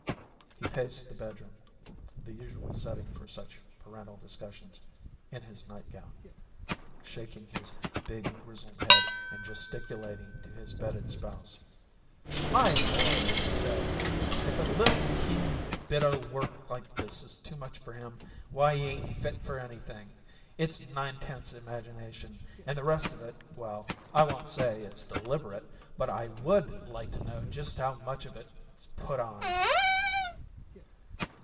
He paced the bedroom the usual setting for such parental discussions in his nightgown, shaking his big, grizzled head and gesticulating to his bedded spouse. "My Lord!" he said. "If a little, teeny bit o' work like this is too much for him, why, he ain't fit for anything! It's nine tenths imagination, and the rest of it well, I won't say it's deliberate, but I WOULD like to know just how much of it's put on!"